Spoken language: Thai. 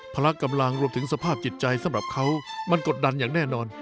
ละกำลังรวมถึงสภาพจิตใจสำหรับเขามันกดดันอย่างแน่นอน